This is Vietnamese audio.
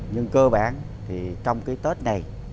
nhưng cơ bản thì trong cái tết này